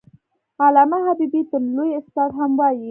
علامه حبيبي ته لوى استاد هم وايي.